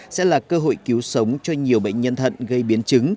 sẽ là cơ hội cứu sống cho nhiều bệnh nhân thận gây biến chứng